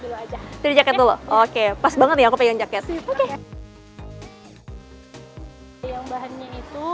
dulu aja dari jaket dulu oke pas banget ya aku pengen jaket sih yang bahannya itu